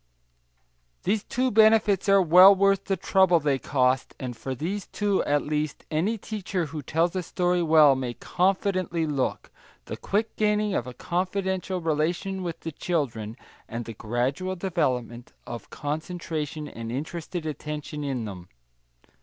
These two benefits are well worth the trouble they cost, and for these two, at least, any teacher who tells a story well may confidently look the quick gaining of a confidential relation with the children, and the gradual development of concentration and interested attention in them.